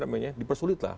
di apa namanya dipersulit lah